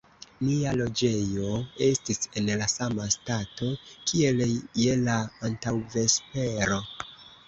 Nia loĝejo estis en la sama stato, kiel je la antaŭvespero.